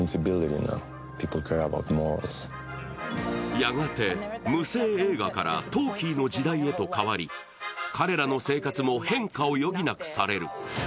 やがて無声映画からトーキーの時代へと変わり、彼らの生活も変化を余儀なくされる。